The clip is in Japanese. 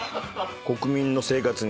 国民の生活に。